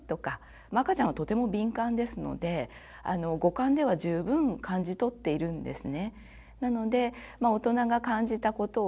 赤ちゃんはとても敏感ですので五感では十分感じ取っているんですね。